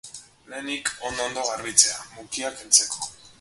Lehenik ondo-ondo garbitzea, mukia kentzeko.